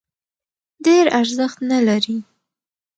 ډېر ارزښت نه لري.